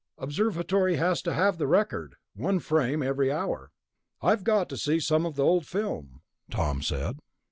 "Observatory has to have the record. One frame every hour...." "I've got to see some of the old film," Tom said.